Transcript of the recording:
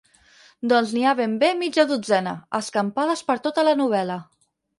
Doncs n'hi ha ben bé mitja dotzena, escampades per tota la novel·la.